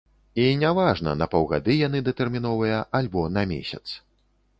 І не важна, на паўгады яны датэрміновыя альбо на месяц.